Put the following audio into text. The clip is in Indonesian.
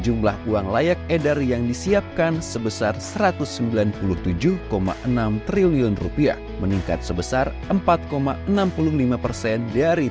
jumlah uang layak edar yang disiapkan sebesar satu ratus sembilan puluh tujuh enam triliun rupiah meningkat sebesar empat enam puluh lima persen dari